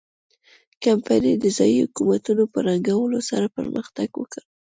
کمپنۍ د ځايي حکومتونو په ړنګولو سره پرمختګ وکړ.